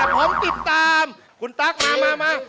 ผมติดตามคุณตั๊กมามา